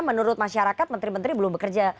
menurut masyarakat menteri menteri belum bekerja